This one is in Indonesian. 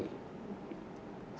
saya tidak bisa menilai